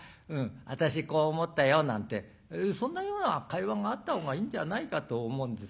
私こう思ったよ」なんてそんなような会話があった方がいいんじゃないかと思うんですけれど。